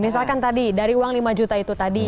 misalkan tadi dari uang lima juta itu tadi